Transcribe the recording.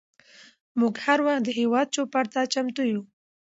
موږ هر وخت د هیواد چوپړ ته چمتو یوو.